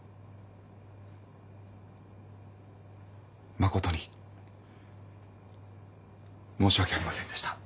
誠に申し訳ありませんでした。